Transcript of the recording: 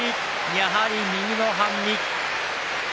やはり右の半身。